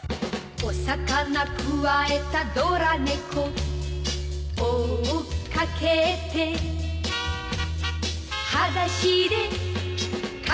「お魚くわえたドラ猫」「追っかけて」「はだしでかけてく」